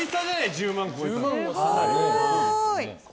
１０万超えたの。